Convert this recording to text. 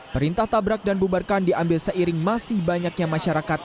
perintah tabrak dan bubarkan diambil seiring masih banyaknya masyarakat